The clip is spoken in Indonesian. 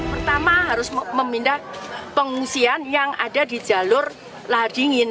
pertama harus memindah pengungsian yang ada di jalur lahar dingin